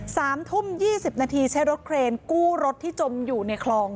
สามทุ่มยี่สิบนาทีใช้รถเครนกู้รถที่จมอยู่ในคลอง